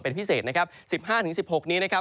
เป็นพิเศษนะครับ๑๕๑๖นี้นะครับ